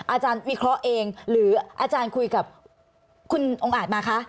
อาจารย์วิเคราะห์เองหรืออาจารย์คุยกับคุณองค์อาจมาคะ